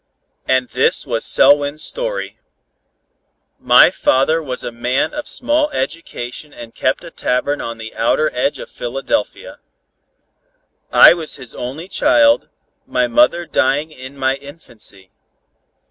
And this was Selwyn's story: My father was a man of small education and kept a tavern on the outer edge of Philadelphia. I was his only child, my mother dying in my infancy.